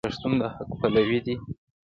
پښتون د حق پلوی دی.